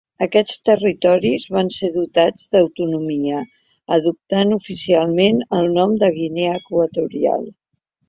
Aquests territoris van ser dotats d'autonomia, adoptant oficialment el nom de Guinea Equatorial.